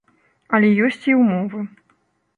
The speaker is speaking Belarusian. Але ёсць і ўмовы.